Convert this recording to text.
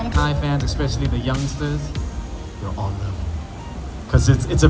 ไทยแฟนสำหรับเด็กไทยทุกคนจะรัก